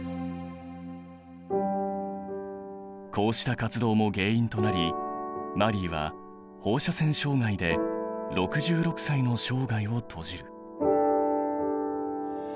こうした活動も原因となりマリーは放射線障害で６６歳の生涯を閉じる。